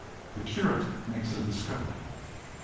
THE CURATE MAKES A DISCOVERY.